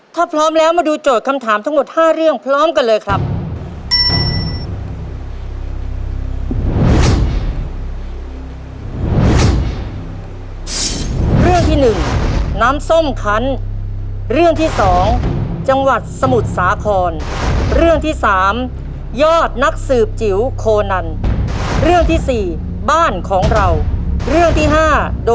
ถ้าพร้อมแล้วมาดูโจทย์คำถามทั้งหมด๕เรื่องพร้อมกันเลยครับ